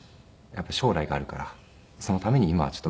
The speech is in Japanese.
将来があるからそのために今はちょっと。